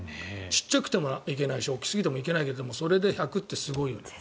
小さくてもいけないし大きすぎてもいけないけどそれで１００ｍってすごいよ。